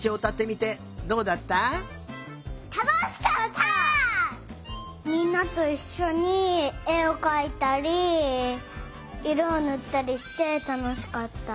みんなといっしょにえをかいたりいろをぬったりしてたのしかった。